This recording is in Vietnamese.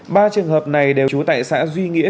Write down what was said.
ba trường hợp này đều trú tại xã duy nghĩa